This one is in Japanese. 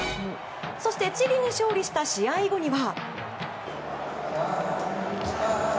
そしてチリに勝利した試合後には。